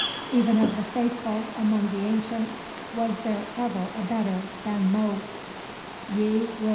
Even of the faithful among the ancients was there ever a better than Mo?" Yi Ryuk.